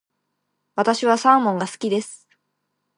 私はサーモンが好きです。